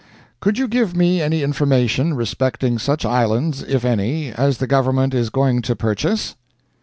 "Could you give me any information respecting such islands, if any, as the government is going to purchase?"